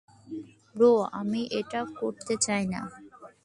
Bro, আমি এটা করতে চাই না।